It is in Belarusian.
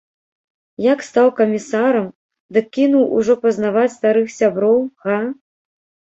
Як стаў камісарам, дык кінуў ужо пазнаваць старых сяброў, га?